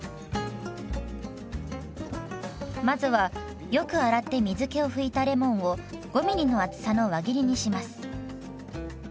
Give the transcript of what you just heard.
まずはよく洗って水けを拭いたレモンを５ミリの厚さの輪切りにします。